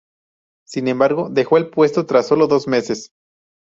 Sin embargo, dejó el puesto tras sólo dos meses.